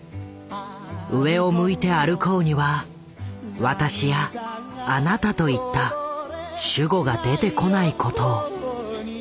「上を向いて歩こう」には私やあなたといった主語が出てこないことを。